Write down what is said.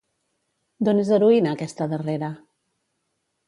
D'on és heroïna aquesta darrera?